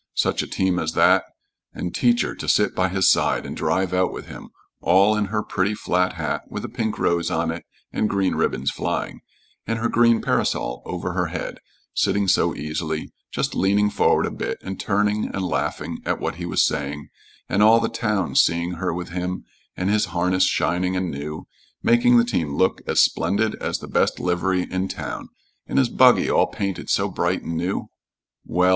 Such a team as that, and "Teacher" to sit by his side and drive out with him, all in her pretty flat hat with a pink rose on it and green ribbons flying, and her green parasol over her head sitting so easily just leaning forward a bit and turning and laughing at what he was saying, and all the town seeing her with him, and his harness shining and new, making the team look as splendid as the best livery in town, and his buggy all painted so bright and new well!